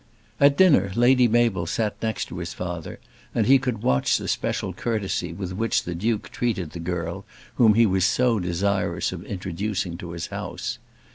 At dinner Lady Mabel sat next to his father, and he could watch the special courtesy with which the Duke treated the girl whom he was so desirous of introducing to his house.